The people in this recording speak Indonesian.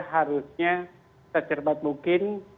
harusnya secermat mungkin